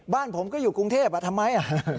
บ้านผมก็อยู่กรุงเทพทำไม